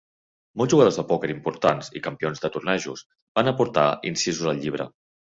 Molts jugadors de pòquer importants i campions de tornejos van aportar incisos al llibre.